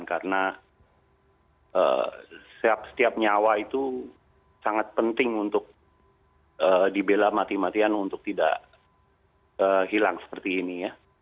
karena setiap nyawa itu sangat penting untuk dibela mati matian untuk tidak hilang seperti ini ya